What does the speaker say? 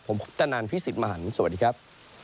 ผมคุณตานันพี่สิบมหานสวัสดีครับ